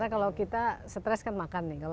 karena kalau kita stres kan makan nih